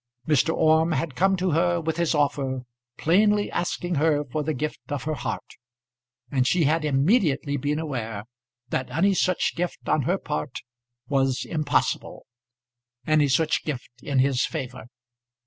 Mr. Orme had come to her with his offer, plainly asking her for the gift of her heart, and she had immediately been aware that any such gift on her part was impossible, any such gift in his favour.